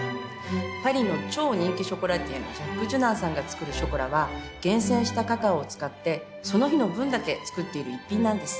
パリの超人気ショコラティエのジャック・ジュナンさんが作るショコラは厳選したカカオを使ってその日の分だけ作っている逸品なんです。